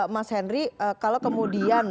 mas henry kalau kemudian